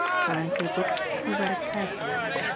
Turning to the book he read it carefully.